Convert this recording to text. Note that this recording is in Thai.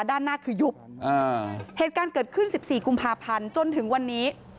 ด้านหน้าคือยุบอ่าเหตุการณ์เกิดขึ้นสิบสี่กุมภาพันธ์จนถึงวันนี้